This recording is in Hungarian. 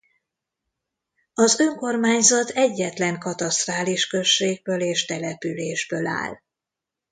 Az önkormányzat egyetlen katasztrális községből és településből áll.